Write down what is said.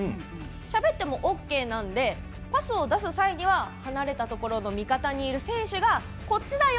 しゃべってもＯＫなのでパスを出す際には離れたところにいる味方の選手がこっちだよ！